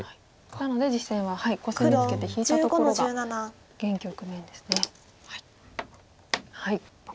なので実戦はコスミツケて引いたところが現局面ですね。